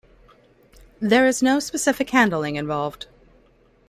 There is no specific handling involved.